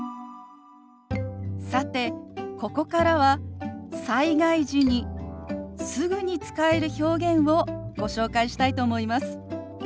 さてここからは災害時にすぐに使える表現をご紹介したいと思います。